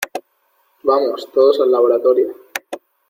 ¡ vamos! ¡ todos al laboratorio !